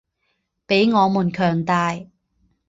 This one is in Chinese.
比我们强大